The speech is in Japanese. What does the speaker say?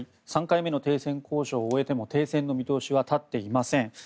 ３回目の停戦交渉を終えても停戦の見通しは立っていません。